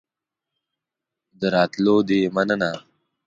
د راتلو دي مننه